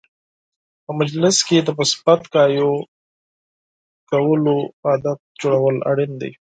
په مجلس کې د مثبت خبرو کولو عادت جوړول اړین دي.